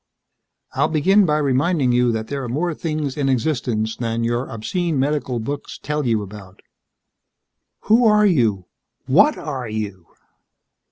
"I'll begin by reminding you that there are more things in existence than your obscene medical books tell you about." "Who are you? What are you?"